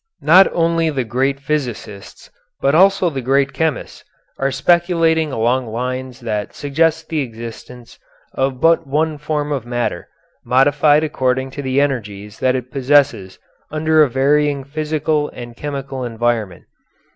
Not only the great physicists, but also the great chemists, are speculating along lines that suggest the existence of but one form of matter, modified according to the energies that it possesses under a varying physical and chemical environment.